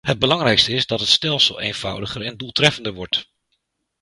Het belangrijkste is, dat het stelsel eenvoudiger en doeltreffender wordt.